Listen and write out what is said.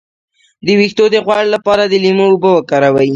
د ویښتو د غوړ لپاره د لیمو اوبه وکاروئ